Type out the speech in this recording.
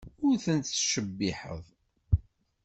Ur tent-ttjeyyiḥeɣ.